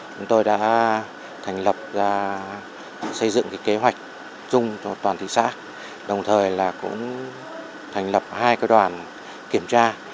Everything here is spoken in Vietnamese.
chúng tôi đã thành lập ra xây dựng kế hoạch dung cho toàn thị xã đồng thời là cũng thành lập hai cơ đoàn kiểm tra